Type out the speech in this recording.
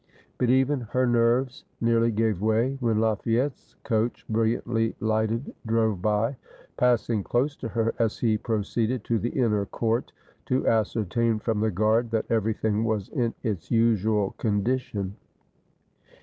But even her nerves nearly gave way when Lafayette's coach, brilUantly 297 FRANCE lighted, drove by, passing close to her as he proceeded to the inner court to ascertain from the guard that every thing was in its usual condition.